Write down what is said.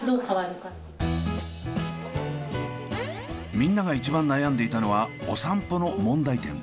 みんなが一番悩んでいたのはお散歩の問題点。